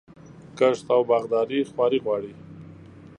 کښت او باغداري خواري غواړي.